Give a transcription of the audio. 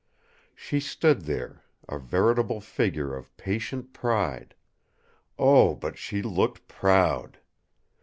She stood there, a veritable figure of patient pride. Oh! but she looked proud!